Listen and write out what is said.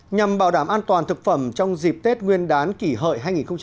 nhằm bảo đảm an toàn thực phẩm trong dịp tết nguyên đán kỷ hợi hai nghìn một mươi chín